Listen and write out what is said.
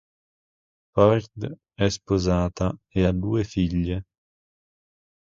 Ford è sposata e ha due figlie.